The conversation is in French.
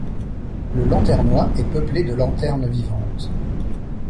Le Lanternois est peuplé de lanternes vivantes.